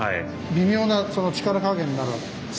微妙な力加減になるわけですか。